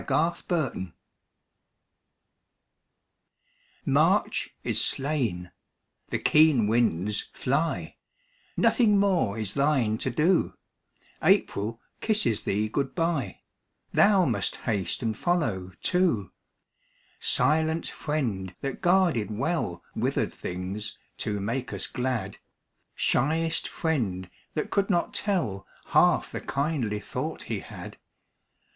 GOD SPEED TO THE SNOW March is slain; the keen winds fly; Nothing more is thine to do; April kisses thee good bye; Thou must haste and follow too; Silent friend that guarded well Withered things to make us glad, Shyest friend that could not tell Half the kindly thought he had.